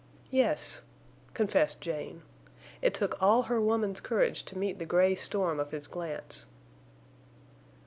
"Yes," confessed Jane. It took all her woman's courage to meet the gray storm of his glance.